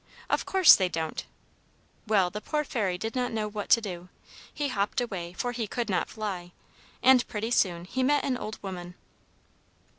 Of course they don't! Well, the poor Fairy did not know what to do. He hopped away, for he could not fly, and pretty soon he met an old woman.